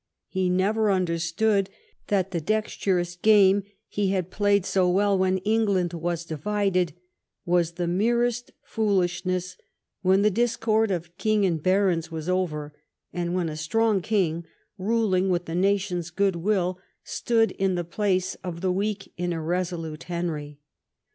He never understood that the dexterous game, Avhich he had played so well when England was divided, was the merest foolishness when the discord of king and barons was over, and when a strong king, ruling with the nation's good will, stood in the place of the weak and irresolute Henry.